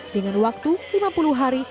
dengan waktu lima puluh hari